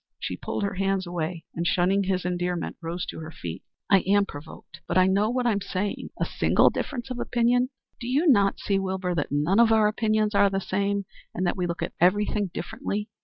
She pulled her hands away, and shunning his endearment, rose to her feet. "I am provoked, but I know what I am saying. A single difference of opinion? Do you not see, Wilbur, that none of our opinions are the same, and that we look at everything differently?